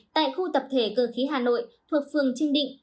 tại khu tập thể cơ khí hà nội thuộc phường trương định